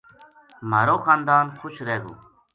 مھارو خاندان خوش رہ گو